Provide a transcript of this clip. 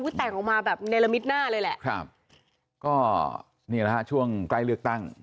แต่งออกมาแบบเนรมิตหน้าเลยแหละครับก็นี่แหละฮะช่วงใกล้เลือกตั้ง